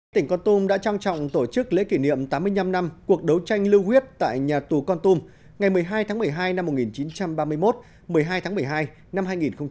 tỉnh con tum đã trang trọng tổ chức lễ kỷ niệm tám mươi năm năm cuộc đấu tranh lưu huyết tại nhà tù con tum ngày một mươi hai tháng một mươi hai năm một nghìn chín trăm ba mươi một một mươi hai tháng một mươi hai năm hai nghìn một mươi chín